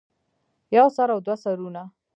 يو سر او دوه سرونه